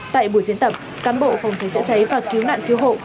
tại buổi diễn tập cán bộ phòng cháy chữa cháy và cứu nạn cứu hộ